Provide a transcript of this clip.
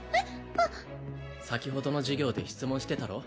あ先ほどの授業で質問してたろう？